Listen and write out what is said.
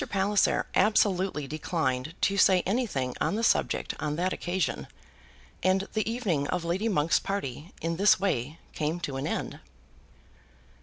Palliser absolutely declined to say anything on the subject on that occasion, and the evening of Lady Monk's party in this way came to an end.